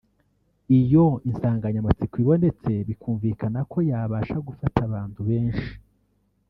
Iyo insanganyamatsiko ibonetse bikumvikana ko yabasha gufata abantu benshi